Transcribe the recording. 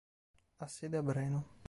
Ha sede a Breno.